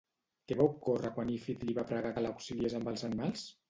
Què va ocórrer quan Ífit li va pregar que l'auxiliés amb els animals?